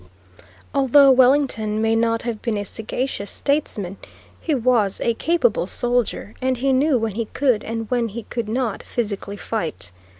Although Wellington may not have been a sagacious statesman, he was a capable soldier and he knew when he could and when he could not physically fight.